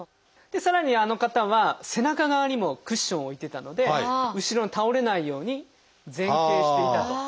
さらにあの方は背中側にもクッションを置いてたので後ろに倒れないように前傾していたと。